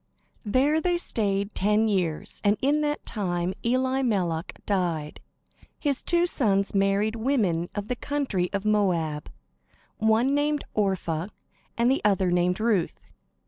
There they stayed ten years, and in that time Elimelech died. His two sons married women of the country of Moab, one named Orpah, the other named Ruth.